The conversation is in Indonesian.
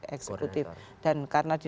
eksekutif dan karena di